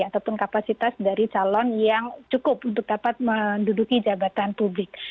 ataupun kapasitas dari calon yang cukup untuk dapat menduduki jabatan publik